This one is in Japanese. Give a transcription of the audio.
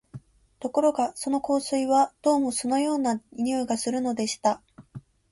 ところがその香水は、どうも酢のような匂いがするのでした